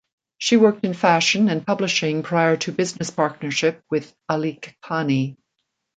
She worked in fashion and publishing prior to business partnership with Alikhani.